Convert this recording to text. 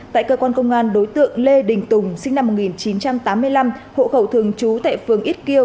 tại cơ quan công an đối tượng lê đình tùng sinh năm một nghìn chín trăm tám mươi năm hộ khẩu thường trú tại phường ít kiêu